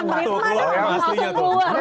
masih keluar ya